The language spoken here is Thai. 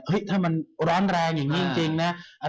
ถ้ามันร้อนแรงอย่างนี้จริงนะ